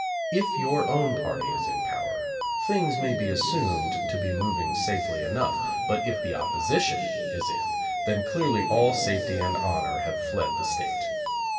If your own party is in power, things may be assumed to be moving safely enough; but if the opposition is in, then clearly all safety and honor have fled the State.